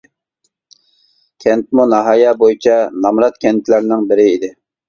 كەنتمۇ ناھىيە بويىچە نامرات كەنتلەرنىڭ بىرى ئىدى.